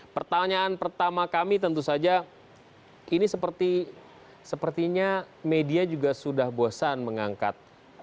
pertanyaan pertama kami tentu saja ini sepertinya media juga sudah bosan mengangkat